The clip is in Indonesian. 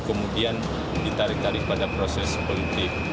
kemudian ditarik tarik pada proses politik